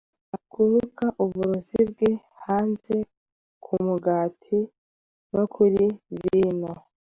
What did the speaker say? Kuruka uburozi bwe hanze kumugati no kuri vino.